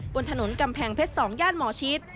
บนถนนกำแพงเพชร๒ย่านหมอชิด